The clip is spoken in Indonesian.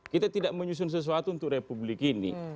kita tidak menyusun sesuatu untuk republik ini